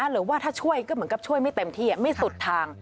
หรือว่าถ้าช่วยก็เหมือนกับช่วยไม่เต็มที่ไม่สุดทาง